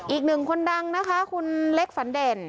อีก๑คนดังคุณเล็กฝันเด่น